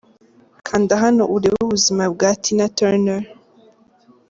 Kanda hano urebe ubuzima bwa Tina Turner: .